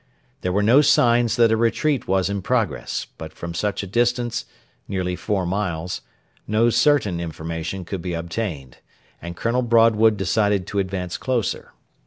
There were no signs that a retreat was in progress; but from such a distance nearly four miles no certain information could be obtained, and Colonel Broadwood decided to advance closer.